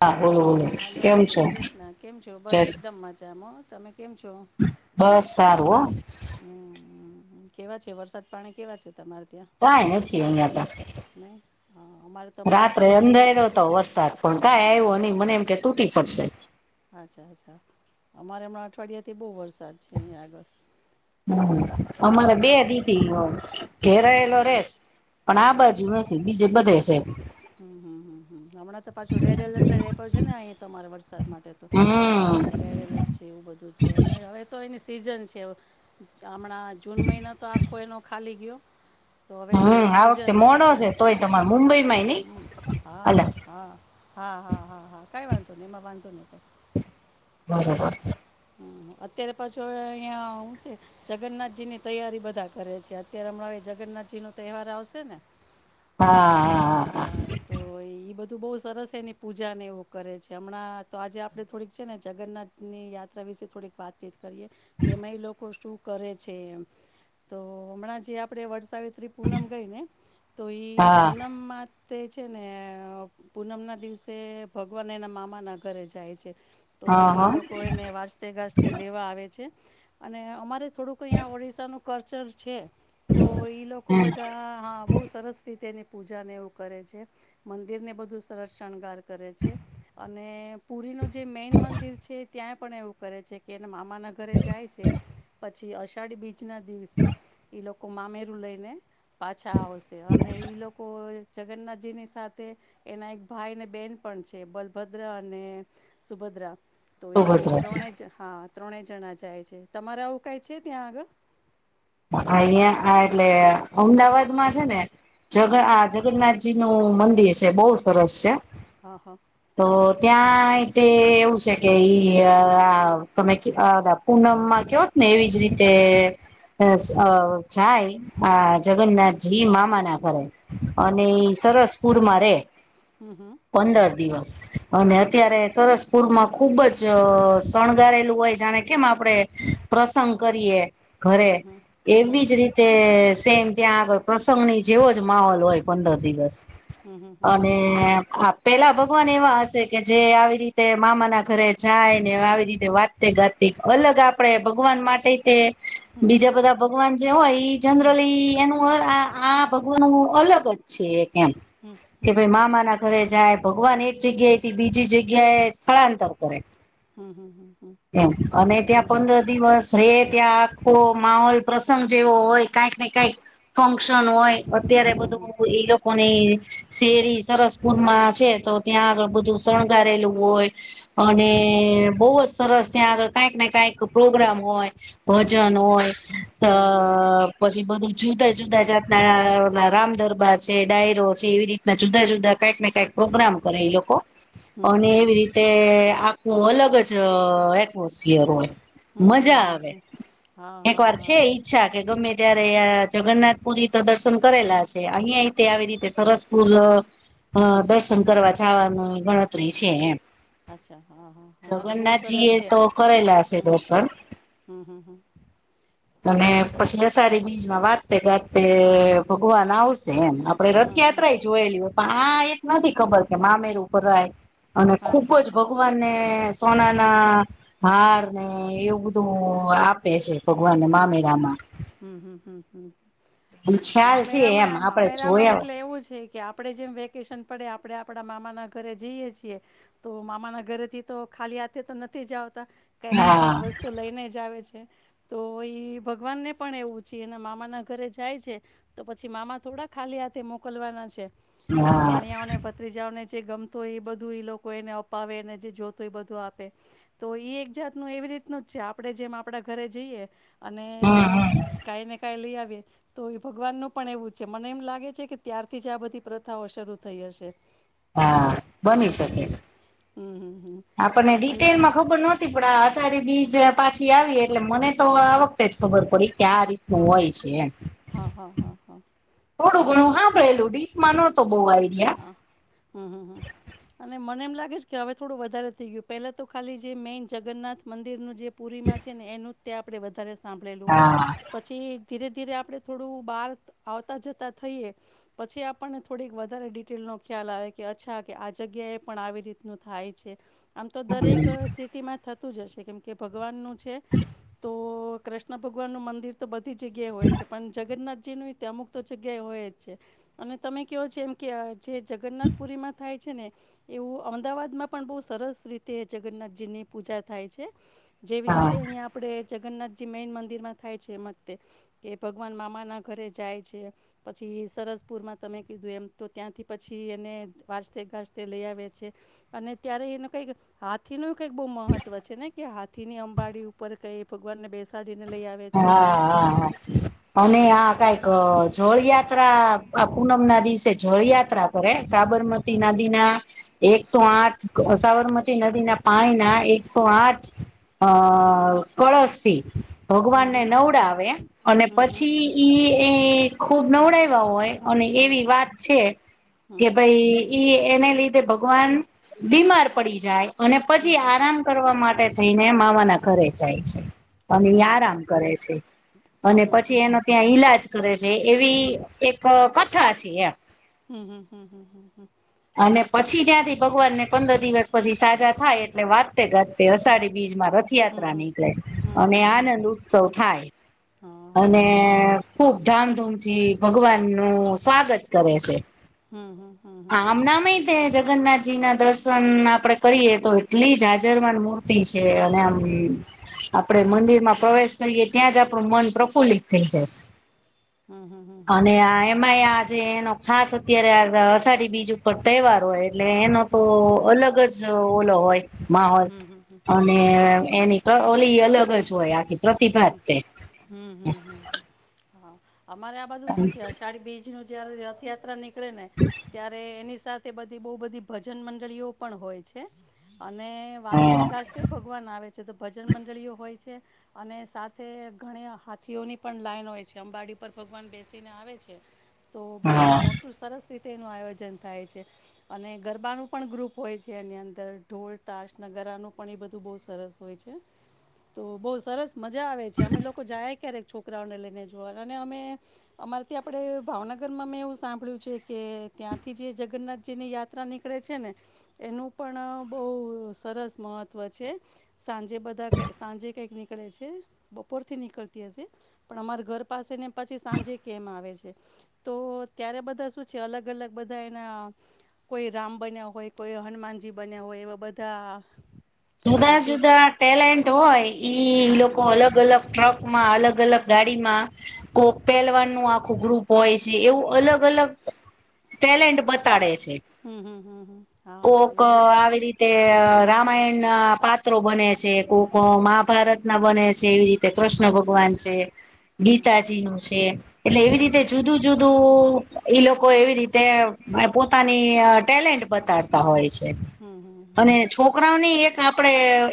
હા ઓ હેલો, જય શ્રી કૃષ્ણ! કેમ છો? બસ, એકદમ મજામાં. તમે કેમ છો? બસ સારું હોઅ. હમ-હમ-હમ કેવા છે,? વરસાદ પાણી કેવા છે. તમારે ત્યાં? તોઈ નથી અહીયા ત નહી હ અમારે તો હમણાં રાત્રે અઠવાડિયેથી એટલે અંધારલો હતો વરસાદ પણ કાં આવ્યો નહી મને એમ કે તૂટી પડશે. અચ્છા-અચ્છા અમારે હમણાં અઠવાડિયા થી બહુ વરસાદ છે, અહિયા આગળ હમ હમ અમારે બે હમણાં દીથી ઘેરાયેલો રેસ પણ હા આ બાજુ બીજે બધે છે. હમમમમ હમણાં તો પાછું રેડ એલર્ટ રે છે, ને અહીં તમારે વરસાદ માટે તો? હમ કેરેરેલટ છે, એવું બધું છે, અને હવે તો એની સિઝન છે. હમણાં જૂન મહિનો તો આખો એનો ખાલી ગીયો તો હવે તો હમ એની આ વખતે સિઝન છે. મોડો હવે તોય તમારે મુંબઈમાંય નઈ અલા હ-હા-હા હા-હા-હા-હા કઈ વાંધો ની એમાં વાંધો નહી કઈ બરોબર હા હમ અત્યારે પાછો અહિયાં હું છે. જગન્નાથજી ની તૈયારી બધા કરે છે. અત્યારે હમણાં હવે જગન્નાથજી નો તહેવાર આવશે ને હા-આ આ-અ તો એ બધું બહુ સરસ એની પૂજા ને એવું કરે છે. હમણાં તો આજે આપણે થોડીક છે, ને જગન્નાથ ની યાત્રા વિશે થોડીક વાતચીત કેમાં એ લોકો શું કરે છે. તો હમણાં જે આપણે વડસાવિત્રી પૂનમ ગઈ ને તો એ હા પૂનમમાં તે છે, ને પૂનમ ના દિવસે ભગવાન એના મામા ના ઘરે જાય છે. હા તો હા એ હા લોકો એને વાજતે ગાજ તે લેવા આવે છે, અને અમારે થોડુંક અહીંયા ઓડિશાનું કલ્ચર છે. તો ઈ લોકો હા બધા હા બહુ સરસ રીતેને પૂજ પૂજાને એવું કરે છે, મંદિર ને બધું સરસ શણગાર કરે છે. અને પુરી નું જે મેન મંદિર છે, ત્યાં પણ એવું કરે છે, કે એ મામા મામાન ઘરે જાય છે, પછી અષાઢી બીજના દિવસે એ લોકો લોકો મામેરું લઈને પાછા આવશે અને ઈ લોકો જગન્નાથજી ની સાથે એના એક ભાઈ અને બેન પણ છે, બલભદ્ર અને સુભદ્રા. તો એ સુભદ્રા છે ત્રણે જ હા ત્રણે જણા જાય છે. તમારે આવું કઈ છે, ત્યાં આગળ? અહીંયા આ એટલે અમદાવાદ માં છે, ને હા જગ જગન્નાથ જી નું મંદિર છે બહુ સરસ છે. હા હા. તો ત્યાં તે એવું છે કે ઈ આ તમે પૂનમમાં કેવોત ને એવી જ રીતે. અ જાય આ જગન્નાથજી મામાના ધરે હમ અને હમ સરસપુરમાં રે હમ હમ પંદર દિવસ અને હા હા અત્યારે. સરસપુરમાં ખુબ જ શણગારેલું હોય જાણે કેમ આપડે પ્રસંગ કરીએ. હમ ઘરે હમ હમ. હમ એવી જ રીતે સેમ ત્યાં આગળ પ્રસંગની જેવો જ માહોલ હોય પંદર દિવસ. હમ હમ હમ અને હમ આપ પેલા ભગવાન એવા હશે કે જે આવી રીતે મામાના ઘરે જાય ને આવી રીતે વાત તે ઘાતિક અલગ આપડે ભગવાન માટે તે બીજા બધા ભગવાન જે હોય ઈ જનરલી એનું આ આ ભગવાનું અલગ જ છે એમ હમ કે હમ હમ હમ ભાઈ હમ મામાના ઘરે જાય. ભગવાન એક જગ્યાએથી બીજી જગ્યા એ સ્થળાંતર કરે. હમ હમ હમ હમ હમ હમ હમ એમ અને ત્યાં પંદર દિવસ રે ત્યાં આખો માહોલ પ્રસંગ જેવો હોય કાઈકને કાઈક ફંક્શન હોય. અત્યારે એ હમ બધુ હમ ઈ લો કોની શેરી સરસપુરમાં છે તો ત્યાં આગળ બધું શણગારેલું હોય. હમ હમ અને બોજ સરસ ત્યાં આગળ કાઈકને કાઈક પ્રોગ્રામ હોય. જનોઈ હોય અ પછી બધું જુદા જુદા જાતના રામદરબા છે. ડાયરો છે. એવી રી તના જુદા જુદા કાઈકને કાઈક પ્રોગ્રામ કરે એ લોકો. હમ અને એવી હમ રીતે આખું અલગ જ એટમોસફિયર હોય. હમ હમ હમ હમ. હા હા એકવાર છે હા અચ્છા, કે ગમે ત્યારે આ જગન્નાથ પુરી તો દર્શન કરેલા છે અહિયાં તે આવી રીતે સરસ પૂર દર્શન કરવા જવાનું ગણતરી છે એમ. અચ્છા, હા હા હા ના ના બહુ જગન્નાથજી સરસ એ છે તો હમ કરેલા છે દર્શન હમ. અને પછી અસારી બીજમાં વાજતે ગાજતે ભગવાન આવશે એમ આપડે હમ હમ રથયાત્રા એ જોયેલી હોય. આ એ નથી ખબર કે મામેરુ ભરાય અને હા ખુબ હા જ હા ભગવાન ને સોનાના હારને એવું બધું આપે છે તો ભગવાનને હમ હમ મામેરા માં હમ હમમ, એ ખ્યાલ છે એમ મામેરામાં આપડે મામેરામાં જોયા એટલે એવું છે કે આપ ણે જેમ વેકેશન પડે આપણે આપણા મામાના ઘરે જઈએ છીએ તો મામાના ઘરેથી તો ખાલી હાથે તો નથી જ આવતા કઈક ને હા કઈક વસ્તુ લઈને જ આવે છે. તો એ ભગવાનને પણ એવું છે એના મામાના ઘરે જાય છે. તો પછી મામા થોડા ખાલી હાથે મોકલવાના છે હા ભાણિયાઓને ભ ત્રીજાઓને જે ગમતો હોય એ બધું એ લોકો એને અપાવે અને જે જોતો હો એ બધું આપે. તો એ એક જાતનું એવી રીતનું જ છે આપણે જેમ આપણા ઘરે જઈએ અને હમ હમ કાઈને કાઈ લીઆવીએ તો એ ભગવાનનું પણ એવું છે મને એમ લાગે છે કે ત્યારથી જ આ બધી પ્રથાઓ શરૂ થઈ હશે. હા બની હમ શકે હમ હમ હમ. આપણને અને ડિટેલમાં ખબર ન થી પણ આ અષાઢી બીજ પાછી આવી એટલે મને તો આ વખતે જ ખબર પડી કે આ રી તનું હા હોય છે એમ. હા હા હા હા. થોડું ઘણું હાભરેલું ડીપમાં નતો બો આઈડિયા હ હમ હમ હમ અને મને એમ લાગે છે કે હવે થોડું વધારે થઈ ગયું પહેલા તો ખાલી જે મેઈન જગન્નાથ મંદિરનું જે પુરી માં છે ને એનું જ ત્યાં આપડે વધારે સાંભળેલું હોય હા પછી ધીરે ધીરે આપણે થોડું બહાર આવતા જતાં થઈએ પછી આપણને થોડીક વધારે ડિટેલનો ખ્યાલ આવે કે અચ્છા કે આ જગ્યાએ પણ આવી રીતનું થાય છે. આમ તો દરેક સીટ થતું જશે કેમ કે ભગવાન નું છે તો કૃષ્ણ ભગવાનનું મંદિર તો બધી જગ્યાએ હોય છે પણ જગન્નાથજી ન અમુક તો જગ્યા હોય જ છે અને તમે કેહો છો એમ કે જે જગન્નાથપુરીમાં થાય છે ને એવું અમદાવાદ માં પણ બહુ સરસ રીતે જગન્નાથજીની પૂજા થાય છે. જેવી હા રીતે અહીંયા આપણે જગન્નાથજી મેૈન મંદિરમાં થાય છે એમતે કે ભગવાન મામા ના ઘરે જાય છે પછી સરસપુરમાં તમે કીધું એમ તો ત્યાંથી પછી એને વાજતે ઘાજતે લઈ આવે છે અને ત્યારે એને કંઈક હાથી ન કઈક બહુ મહત્વ છે ને કે હાથી ની અંબાડી ઉપર કઈ ભગવાન ને બેસાડીને લઈ આવે. હા છે ને એવું હા હા. અને આ કઈક જળયાત્રા આ પૂનમ ના દિવસે જળયાત્રા પરે સાબ સારમતી હા નદી ના એકસો આઠ સાબરમતી નદીના પાણી ના એકસો આઠ અ કળશથી હમ ભગવાનને હમ નવડાવે અને હમ પછી ઈ એ ખુબ નવડાયવા હોય અને હમ એવી વાત છે કે હમ હમ ભાઈ એને લીધે ભગવાન બીમાર પડી જાય અને હમ પછી હમ આરામ કરવા માટે થઈને મામાના ઘરે જાય છે અને અચ્છા હા યાદ આરા હા કરે છે હમ અને હમ પછી હમ એનો ત્યાં ઈલાજ કરે છે એવી એક કથા છે એમ હમ્મ હમ્મ હમ્મ હમ્મ. અને પછી ત્યાંથી ભગવાનને પંદર દિવસ પછી સાજા થાય એટલે વાજતે ઘર તે અષાઢી બીજમાં હમ રથયાત્રા હમ નીકળે હમ હમ અને હમ આનંદ હમ ઉપ ઉત્સવ થાય હા અને હા હા ખુબ ધામધૂમથી થી ભગવાન નું સ્વાગત કરે છે. હમ્મ હમ્મ. આમ નામય તે જગન્નાથજી ના દર્શન આપડે કરીએ તો એટલી જ હાજર ન મૂર્તિ છે અને આમ હમ હમ આપણે મંદિરમાં પ્રવેશ કરીએ ત્યાં જ આપણું મન પ્રફુલ્લિત થઈ જાય. હમ હમ હમ હમ હમ હમ અને એમાં આજે એનો ખાસ અત્યારે અષઢી બીજ ઉપ હોય એટલે એનો તો અલગ જ ઓલો હોય માહોલ હમ હમ અને હમ હમ હમ એની ઓલી અલગ જ હોય આખી પ્રતિભા હ તે હમ્મ હમ્મ હ અમારે આ બાજુ શું છે અષાઢી બીજ ન જયારે રથયાત્રા નીકળે ને ત્યારે એની સાથે બધી બહુ બધી ભજન મંડળીઓ પણ હોય છે અને વાજતે ગાજતે ભગવાન આવે છે તો ભજન મંડળીઓ હોય છે. અને સાથે ઘણી હાથીઓની પણ લાઈન હોય છે અંબાડી પર ભગવાન બેસીને આવે છે. તો બઉ હા મોટું સરસ રીતે એનું આયોજન થાય છે. અને ગરબાનું પણ ગ્રુપ હોય છે એની અંદર ઢોલ તાશ નગરાનું પણ એ બધું બહુ સરસ તો બહ સરસ મજા આવે છે અમે લોકો જાય ક્યારેક છોક છોકરા ને ગ્રાઉન્ડ લઈને જોવા અને અમે અમારેથી આપડ ભાવનગર માં મેં એવું સાંભળ્યું છે કે ત્યાંથી જે જગન્નાથજી ની યા ત્ર નીકળે છે ને એનું પણ બહુ સરસ મહત્વ છે. સાંજે બધા સાંજે કક નીકળે છે બપોર થી નીકળતી હશે પણ અમારા ઘર પાસેને પછી સાંજે કેમ આવે છે. તો ત્યારે બધા શું છે અલગ અલગ બધા એના કોઈ રામ બન્યા હોય કોઈ હનુમાનજી બન્યા હોય એવા બધા. જુદા આર્ટિસ્ટ જુદા ટેલેન્ટ હોય ઈ હા લોકો અલગ અલગ ટ્રક માં અલગ અલગ ગાડીમાં કો પહેલવાન નું આખું ગ્રુપ હોય છે એવું અલગ અલગ ટેલેન્ટ બતાડે છે. હમ્મ હમ્મ હમ્મ હમ્મ હા તો એવું. તે રામાયણ ના પાત્રો બને છે કો કો મહાભારત ના બને છે એવી રીતે કૃષ્ણ ભગવાન છે ગીતાજી નું છે એટલે એવી હમ રીતે હમ જુદું જુદું ઈ લોકો એવી રી તે પોતાની ટેલેન્ટ બતાડતા હોય છે હમ અને હમ છોક રાને એક આપડે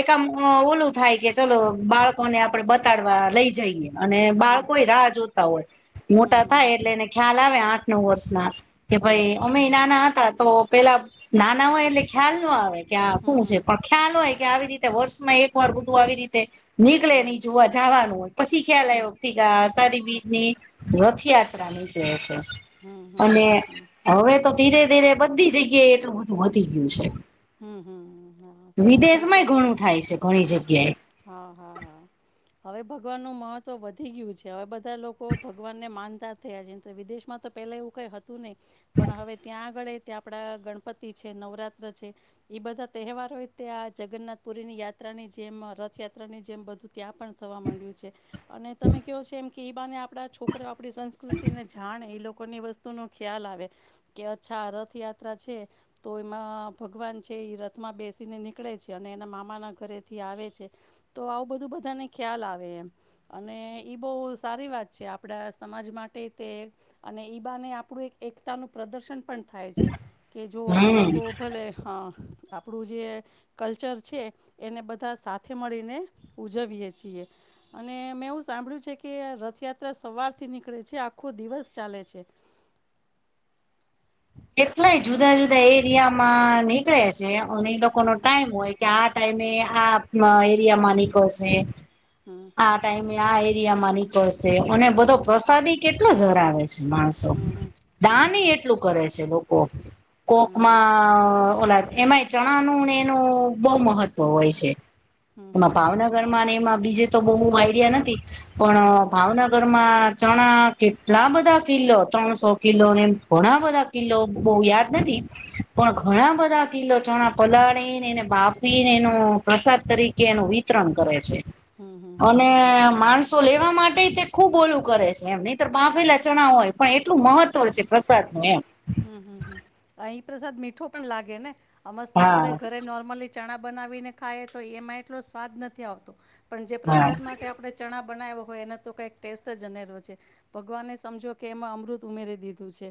એકમ ઓલું થાય કે ચલો બાળકોને આપડે બતાડવા લઈ જઈએ અને હમ બાળકોય રાહ જોતા હોય મોટા હમ થાય હમ એટલે એને ખ્યાલ આવે આઠ નવ વર્ષના કે હમ ભાઈ હમ અમે નાના હતા તો પેલા નાના હોય એટલે ખ્યાલ ન આવે કે આ હમ શું છે હમ પણ ખ્યાલ હોય કે આવી રીતે વર્ષમાં એક વાર બધું આવી રીતે નીકળે હમ નહી હમ જોવા જવાનું હોય પછી ખ્યાલ હમ આવથી અ સારી બીજની રથયાત્ર ની જ છે હમ હમ હમ અને હમ હમ હવે તો ધીરે ધીરે બધી જગ્યાએ એટલું બધું વધી ગયું છે હમ હમ હા એટલે બહુ વિદેશમાંય સરાર ઘણું થાય છે ઘણી જગ્યાએ હા હા હા હવે ભગવાનનું મહત્વ વધી ગયું છે હવે બધા લોકો ભગવાનને માનતા થયા છે વિદેશમાં તો પેલા એવું કઈ હતું નહી પણ હવે ત્યાં આગળ ત્યાં આપણા ગણપતિ છે નવરાત્ર છે એ બધા તહેવારોતે આ જગન્નાથ પુરીની યાત્રા ની જેમ ર રથયાત્રા ની જેમ બધું ત્યાં પણ થવા માંડ્યું છે અને તમે કહો છો એમ કે બાને આપણા છો છક આપણી સંસ્કૃતિ ને જાણે એ લોકોની વસ્તુ નો ખ્યાલ આવે કે અચ્છા રથયાત્રા છે તો એમાં ભગવાન છે એ રથમાં બેસીને નીકળે છે અને એના મામાના ઘરેથી આવે છે તો આવું બધું બધાને ખ્યાલ આવે એમ અને ઈ બહુ સારી વાત છે આપડા સમાજ માટે તે અને ઈબા ને આપણું એક એકતાનું પ્રદર્શન પણ થાય છે કે જો અમે લોકો હમ ભલે હા આપ આપણું જે કલ્ચર છે એને બધા સાથે મળીને ઉજવીએ છીએ અને મેં એવું સાંભળ્યું છે કે રથયાત્રા સવારથી નીકળે છે આખો દિવસ ચાલે છે કેટલાય જુદા જુદા એરિયા માં ની છે અને એ લોકો ન હા ટાઈમ હોય કે આ ટાઈમે આ એરિયા માં નીકળશે હા આ ટાઈમે આ એરિયા માંની અને બધો હમ હમ પ્રસાદ કેટલો ધરાવે છે માણસો હમ હમ હમ દાન હમ એટલું કરે છે લોકો હમ કોકમાં ઓલાદ એમાંય ચણાનુંને એનું બહુ મહત્વ હોય છે એમાં ભાવનગર માં અને એમાં બીજે તો બહ આઈડિયા નથી પણ ભાવનગરમાં ચણા કેટલા બધા કિલો ત્રણસો કિલોને ઘણા બધા લો બહુ યાદ હમ નથી પણ ઘણા બધા કીલો ચણા પલાળીને એને બાફીને એનો પ્રસાદ તરીકે એનું વિતરણ કરે છે અને માર્ચ તો લેવા માટે તે ખુબ ઓોલું કરે છે એમ નહીર બાફેલા ચણા હોય પણ એટલું મહત્વ છે પ્રસાદ નું એમ હમ હમમ અહી પ્રસાદ મીઠો પણ લાગે ને મસ્ત આપડે હા ઘરે નોર્મલી ચણા બનાવીને ખાય તો એમાં એટલો સ્વાદ નથી આવતો પણ જે હા પ્રસાદ માટે આપણે ચણા બનાવ્યો હોય એનો તો કંઈક ટેસ્ટ જ અનેરો છે ભગવાને સમજો કે એમાં અમૃત ઉમેરી દીધું છે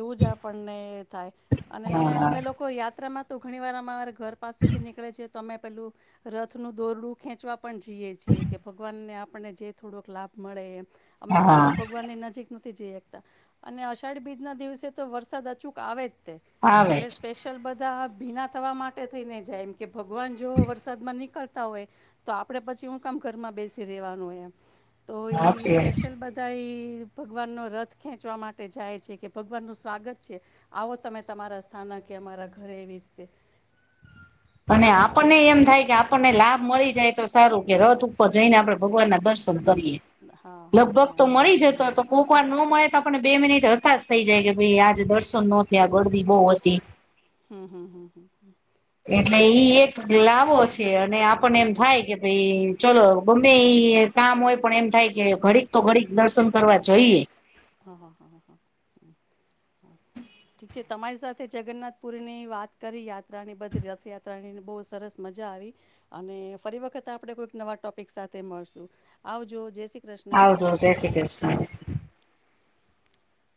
એવું જ આપણને થાય અને હા અમે લોકો યાત્રામાં તો ઘણી વાર અમાર ઘર પાસેથી નીકળે છે તમે પેલું રથનું દોરડું ખેંચવા પણ જીએ છીએ કે ભગવાનને આપણને જે થોડોક લાભ મળે એમ આ હા મસ્તા હા તો ભગવાનની નજીક નથી જ અઢી બીજના દિવસે તો વરસાદ અચૂક આવે જ આવે એટલે છે લ બધા ભીના થવા માટે થઈને જાય એમ કે ભગવાન જો વરસાદ માં નીકળ તા હોય તો આપે પછી હું કામ ઘરમાં બેસી રેવાનું હોય એમ તો ઈ સાચી વાત છે સ્પેશિયલ બધ તા ઈ ભગવાન નો રથ ખેંચવા માટે જાય છે કે ભગ બર નું સ્વાગત છે, આવો તમે તમારા સ્થાન કે અમારા ઘરે એવી રીતે અને આપણને એમ થાય કે આપણને લાભ મળી જાય તો સારું કે રથ ઉપર જઈને આપણે ભગવાન ના દર્શન કરીએ. હા હા લગભગ હા તો હા મળી જતો પ કોકવાર નો મળે તો આપને બે મિનિટ હતાસ થઇ જાય કે ભાઈ આજ દર્શન ન થયા ગરદી બહુ હતી. હમ હમ હમ હમમ. એટલે ઈ એક લાવો છે, અને આપણને એમ હમ થાય કે ભાઈ ચલો ગમે એ કામ હોય પણ એમ થાય કે ઘડીક તો ઘડીક દર્શન કરવા જઈએ. હા હા હા હા હા હમ હ. ઠીક છે, તમારી સાથે જગન્નાથપુર ની વાત કરી યાત્રા ની બધી રથયાત્રા તણીને બહુ સરસ મજા આવી. અને ફરી વખત આપે કોઈક નવા ટોપિક સાથે મળશું આવજો જય શ્રી કૃષ્ણ આવજો જય શ્રી કૃષ્ણ. [unintelligible]